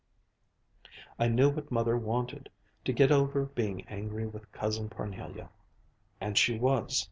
"I knew what Mother wanted, to get over being angry with Cousin Parnelia. And she was.